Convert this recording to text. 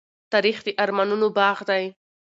تاریخ د ارمانونو باغ دی.